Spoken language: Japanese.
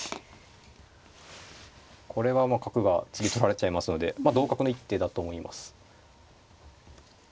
これはもう角が次取られちゃいますので同角の一手だと思います。